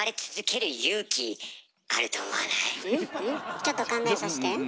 ちょっと考えさして。